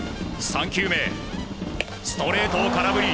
３球目、ストレートを空振り。